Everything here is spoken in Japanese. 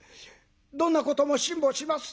どんなことも辛抱します。